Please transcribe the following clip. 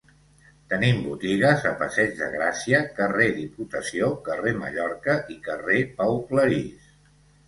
Tenim botigues a Passeig de Gràcia, Carrer Diputació, Carrer Mallorca i Carrer Pau Clarís.